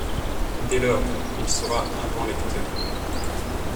Dès lors, il sera un grand lecteur.